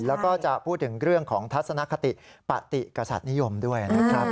แล้วก็จะพูดถึงเรื่องของทัศนคติปฏิกษัตริย์นิยมด้วยนะครับ